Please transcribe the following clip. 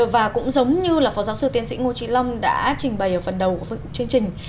và cũng giống như là phó giáo sư tiến sĩ ngô trí long đã trình bày ở phần đầu của chương trình